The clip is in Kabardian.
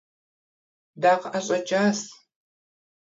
Дакъыӏэщӏэкӏащ.